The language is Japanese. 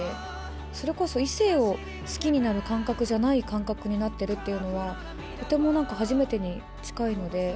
それこそ異性を好きになる感覚じゃない感覚になってるっていうのは、とてもなんか初めてに近いので。